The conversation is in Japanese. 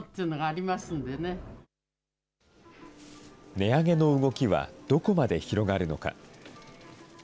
値上げの動きはどこまで広がるのか。